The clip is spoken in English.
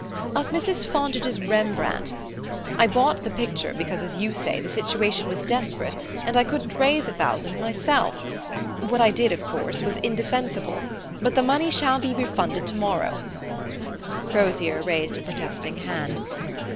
"Of Mrs. Fontage's Rembrandt. I bought the picture because, as you say, the situation was desperate, and I couldn't raise a thousand myself. What I did was of course indefensible; but the money shall be refunded tomorrow " Crozier raised a protesting hand.